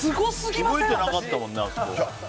動いてなかったもんね、あそこ。